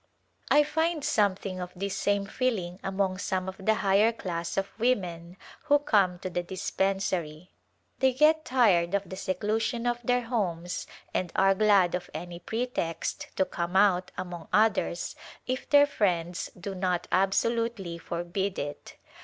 I find something of this same feeling among some of the higher class of women who come to the dispen sary. They get tired of the seclusion of their homes and are glad of any pretext to come out among others if their friends do not absolutely forbid it.